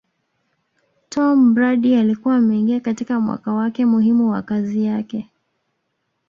Tomm Brady alikuwa ameingia katika mwaka wake muhimu wa kazi yake